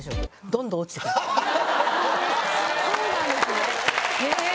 そうなんですねへぇ。